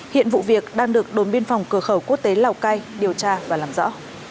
hiện vụ việc đang được đồn biên phòng cửa khẩu quốc tế lào cai điều tra và làm rõ